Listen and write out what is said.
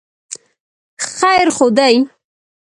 خیر خو دی.